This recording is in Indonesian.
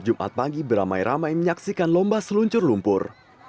jumat pagi beramai ramai menyaksikan lomba seluncur lumpur